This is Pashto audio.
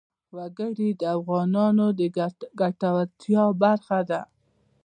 وګړي د افغانانو د ګټورتیا برخه ده.